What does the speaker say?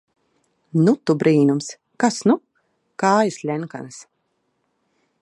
Nu, tu brīnums! Kas nu! Kājas ļenkanas...